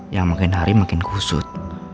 ya makin hari makin kusut